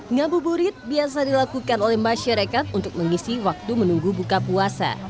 ngabuburit biasa dilakukan oleh masyarakat untuk mengisi waktu menunggu buka puasa